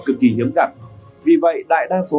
cực kỳ hiếm cặn vì vậy đại đa số